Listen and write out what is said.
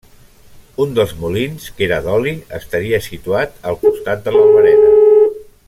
Un dels molins, que era d'oli, estaria situat al costat de l'Albereda.